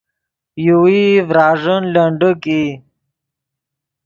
یوویئی ڤراݱین لنڈیک ای